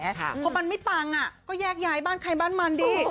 เพราะมันไม่ปังก็แยกย้ายบ้านใครบ้านมันดิ